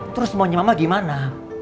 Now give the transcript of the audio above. terus mau nyemama gimana